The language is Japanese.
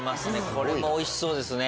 これも美味しそうですね。